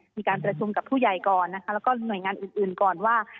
มีการประชุมกับผู้ใหญ่ก่อนนะคะแล้วก็หน่วยงานอื่นก่อนว่า